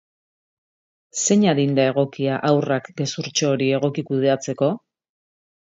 Zein adin da egokia haurrak gezurtxo hori egoki kudeatzeko?